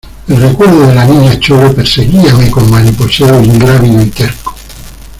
el recuerdo de la Niña Chole perseguíame con mariposeo ingrávido y terco.